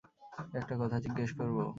একটা কথা জিজ্ঞেস করবো?